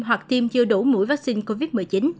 hoặc tiêm chưa đủ mũi vaccine covid một mươi chín